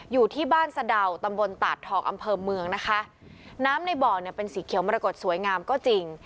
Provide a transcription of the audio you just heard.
อยู่ที่บ้านสะดาวตำบลตาดทองอำเภอเมืองนะคะน้ำในบ่อเนี่ยเป็นสีเขียวมรกฏสวยงามก็จริง